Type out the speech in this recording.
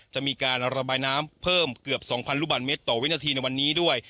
จะมีการระบายน้ำเพิ่มเกือบ๒๐๐ลูกบาทเมตรต่อวินาทีในวันนี้ด้วย